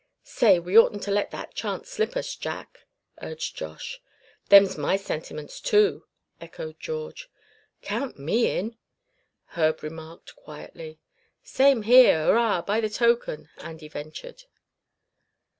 "Say, we oughtn't to let that chance slip us, Jack!" urged Josh. "Them's my sentiments, too!" echoed George. "Count me in," Herb remarked, quietly. "Same here, arrah, by the token!" Andy ventured.